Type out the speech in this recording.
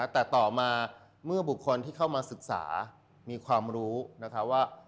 แต่ต่อมาเมื่อบุคคลที่เข้ามาศึกษามีความรู้นะคะว่า